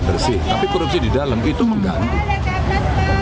tapi korupsi di dalam itu menggantung